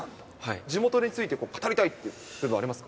地元について語りたいっていうテーマありますか。